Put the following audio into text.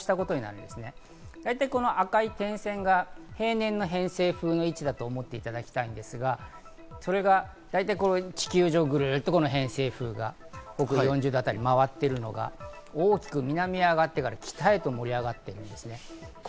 こういうこと、赤い点線が平年の偏西風の位置だと思っていただきたいんですが、それが地球上ぐるっと偏西風が北緯４０度あたりを回っているのが大きく南に曲がってから北に上がっています。